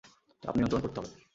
চাপ নিয়ন্ত্রণ করতে হবে।